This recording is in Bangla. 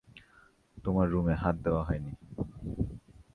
তোমার রুমে হাত দেওয়া হয়নি।